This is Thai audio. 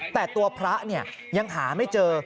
แต่ตัวพระยังหาไม่เจอ